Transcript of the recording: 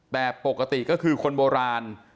แต่ปกติก็คือคนโบราณ